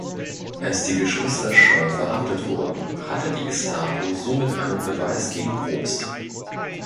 Als die Geschwister Scholl verhaftet wurden, hatte die Gestapo somit einen Beweis gegen Probst.